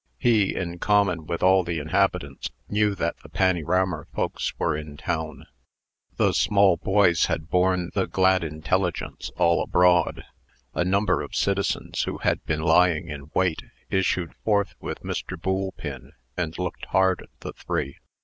He, in common with all the inhabitants, knew that the "pannyrarmer folks" were in town. The small boys had borne the glad intelligence all abroad. A number of citizens, who had been lying in wait, issued forth with Mr. Boolpin, and looked hard at the three.